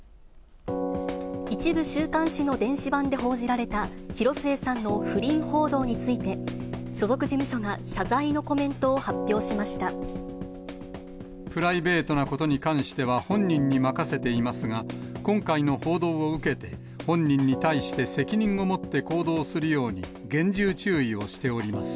一部週刊誌の電子版で報じられた広末さんの不倫報道について、所属事務所が謝罪のコメントを発プライベートなことに関しては本人に任せていますが、今回の報道を受けて、本人に対して責任を持って行動するように、厳重注意をしております。